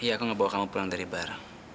iya aku ngebawa kamu pulang dari barang